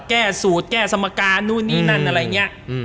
แก้สูตรแก้สมการนู่นนี่นั่นอะไรอย่างนี้